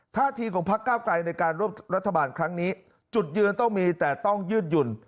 ท่าทีของพักเก้าไกลในการร่วมรัฐบาลครั้งนี้จุดยืนต้องมีแต่ต้องยืดหยุ่น